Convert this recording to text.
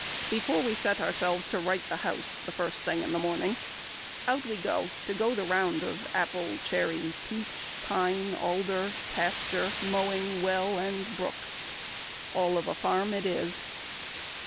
Before we set ourselves to right the house, The first thing in the morning, out we go To go the round of apple, cherry, peach, Pine, alder, pasture, mowing, well, and brook. All of a farm it is."